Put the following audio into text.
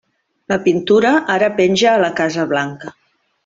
La pintura ara penja a la Casa Blanca.